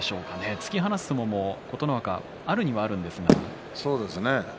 突き放す相撲も琴ノ若はあるにはあります。